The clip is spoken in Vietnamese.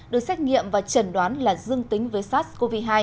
được xét nghiệm và chẩn đoán là dương tính với sars cov hai